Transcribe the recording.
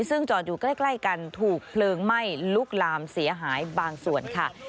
ซึ่งจอดอยู่ใกล้กันถูกเพลิงไหม้ลุกลามเสียหายบางส่วนค่ะ